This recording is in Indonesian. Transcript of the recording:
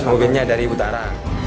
mobilnya dari utara